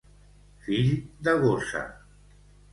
Fill de gossa.